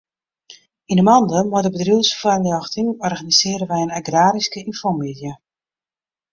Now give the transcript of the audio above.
Yn 'e mande mei de bedriuwsfoarljochting organisearje wy in agraryske ynfomiddei.